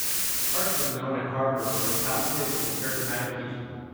Hartz was known at Harvard for his talented and charismatic teaching.